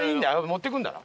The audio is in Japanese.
持ってくんだな？